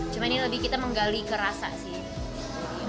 cuma ini lebih kita menggali ke rasa sih